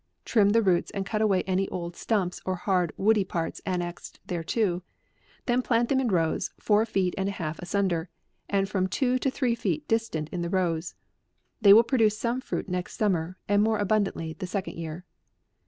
Trim the roots, and cut away any old stumps, or hard, woody parts, annexed thereto ; then plant them in rows, four feet and a half asun der, and from two to three feet distant in the rows. They will produce some fruit next summer, and more abundantly the second year."